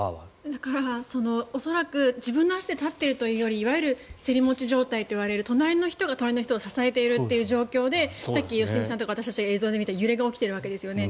だから、恐らく自分の足で立ってるというよりいわゆる隣の人が隣の人を支えているという状況でさっき良純さんとか私たちが映像で見た揺れが起きているわけですよね。